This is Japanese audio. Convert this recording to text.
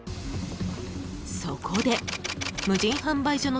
［そこで無人販売所の］